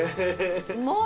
うまい。